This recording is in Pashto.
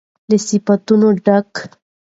له صفتونو ډک